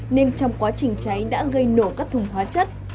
nên trong quá trình cháy đã gây nổ các thùng hóa chất